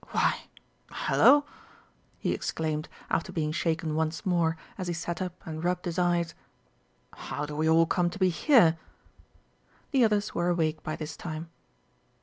Why, hullo!" he exclaimed, after being shaken once more, as he sat up and rubbed his eyes. "How do we all come to be here?" The others were awake by this time.